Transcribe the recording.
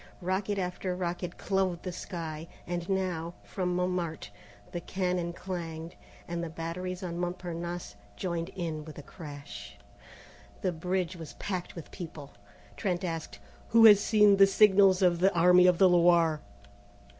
Rocket after rocket clove the sky, and now, from Montmartre, the cannon clanged, and the batteries on Montparnasse joined in with a crash. The bridge was packed with people. Trent asked: "Who has seen the signals of the Army of the Loire?"